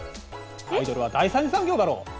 アイドルは第３次産業だろ。